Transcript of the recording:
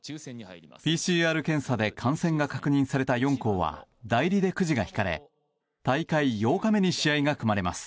ＰＣＲ検査で感染が確認された４校は代理でくじが引かれ大会８日目に試合が組まれます。